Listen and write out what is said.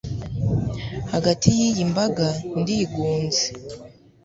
hagati y'iyi mbaga, ndigunze